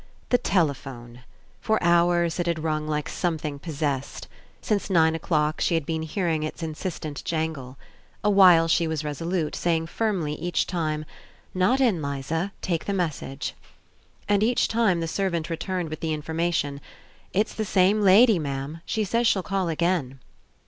The telephone. For hours it had rung like something possessed. Since nine o'clock she had been hearing its insistent jangle. Awhile she was resolute, saying firmly each time: "Not in, Liza, take the message." And each time the servant returned with the information: "It's the same lady, ma'am; she says she'll call again."